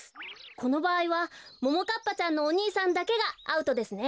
このばあいはももかっぱちゃんのお兄さんだけがアウトですね。